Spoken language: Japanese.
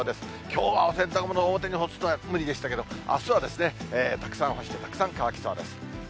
きょうはお洗濯物、表に干すのは無理でしたけど、あすはたくさん干して、たくさん乾きそうです。